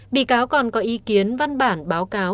bị cáo còn có ý kiến văn bản báo cáo